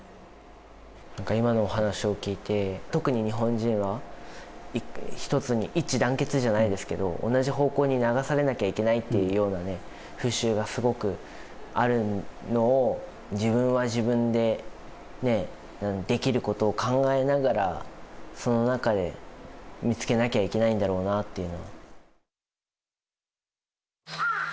なんか今のお話を聞いて、特に日本人は一つに、一致団結じゃないですけど、同じ方向に流されなきゃいけないっていうような風習がすごくあるのを、自分は自分でできることを考えながら、その中で見つけなきゃいけないんだろうなっていう。